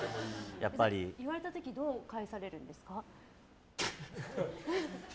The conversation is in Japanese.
言われた時どう返されるんですか？